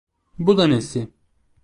Bu da nesi?